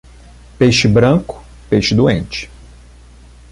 Peixe branco, peixe doente.